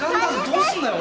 どうすんだよ？